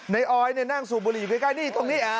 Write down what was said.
ออยนั่งสูบบุหรี่อยู่ใกล้นี่ตรงนี้